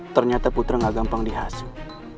ternyata putra ga gampang dihasil